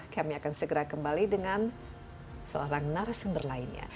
kami akan segera kembali dengan seorang narasumber lainnya